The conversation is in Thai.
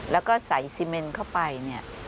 แล้วก็ใส่ซีเมนเข้าไปเนี่ย